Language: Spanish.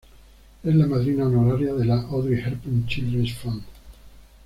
Es la madrina honoraria de la Audrey Hepburn Children's Fund.